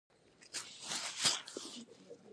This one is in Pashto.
قیصار انګور مشهور دي؟